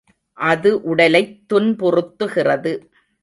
அது உடலைத் துன்புறுத்துகிறது.